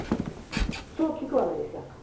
そう聞くわけですやんか。